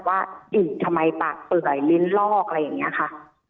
ว่าอิดทำไมปากเปื่อยลิ้นลอกอะไรอย่างนี้ค่ะ